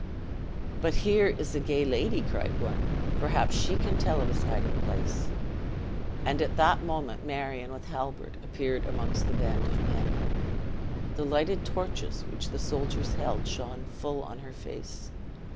"But here is a gay ladie," cried one; "perhaps she can tell of his hiding place." And at moment Marion, with Halbert, appeared amongst a band of men. The lighted torches which the soldiers held, shone full on her face.